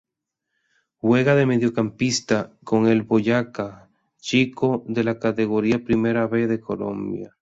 Juega de Mediocampista con el Boyacá Chicó de la Categoría Primera B de Colombia.